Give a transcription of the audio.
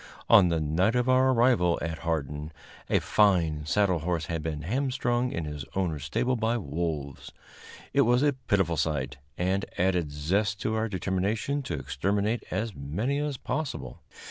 On the night of our arrival at Hardin, a fine saddle horse had been hamstrung in his owner's stable by wolves. It was a pitiful sight, and added zest to our determination to exterminate as many as possible.